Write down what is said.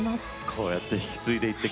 こうやって引き継いでいってくれる。